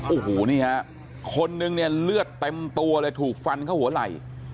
โอ้โหนี่ฮะคนนึงเนี่ยเลือดเต็มตัวเลยถูกฟันเข้าหัวไหล่